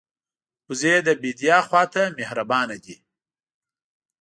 وزې د بیدیا خوا ته مهربانه ده